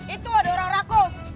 itu ada orang rakus